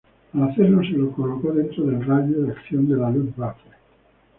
Al hacerlo se colocó dentro del radio de acción de la Luftwaffe.